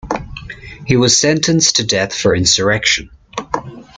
He was sentenced to death for insurrection.